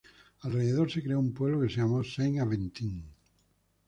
Alrededor se creó un pueblo que se llamó Saint-Aventin.